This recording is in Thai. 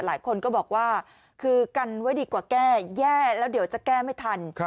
หลายคนก็บอกว่าคือกันไว้ดีกว่าแก้แย่แล้วเดี๋ยวจะแก้ไม่ทัน